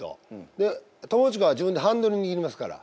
で友近は自分でハンドル握りますから。